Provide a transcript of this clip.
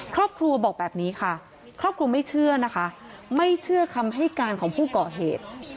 ครอบครัวบอกแบบนี้ค่ะครอบครัวไม่เชื่อนะคะไม่เชื่อคำให้การของผู้ก่อเหตุ